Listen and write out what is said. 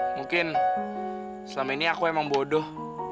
mungkin selama ini aku emang bodoh